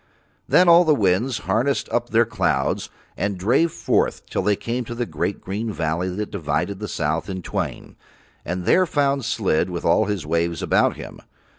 Then all the winds harnessed up their clouds and drave forth till they came to the great green valley that divides the south in twain, and there found Slid with all his waves about him.